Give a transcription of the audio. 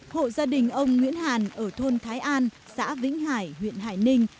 hộ gia đình ông nguyễn hàn ở thôn thái an xã vĩnh hải huyện hải ninh